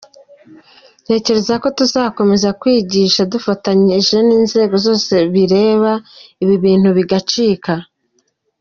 Ntekereza ko tuzakomeza kwigisha dufatanyije n’inzego zose bireba ibi bintu bigacika”.